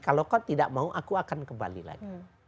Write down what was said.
kalau kau tidak mau aku akan kembali lagi